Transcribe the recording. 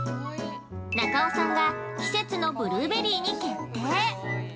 中尾さんが季節のブルーベリーに決定。